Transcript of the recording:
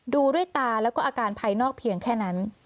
ดูด้วยตาแล้วก็อาการภายนอกเพียงแค่นั้น